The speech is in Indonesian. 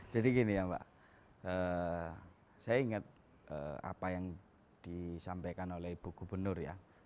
jadi gini ya mbak saya ingat apa yang disampaikan oleh ibu gubernur ya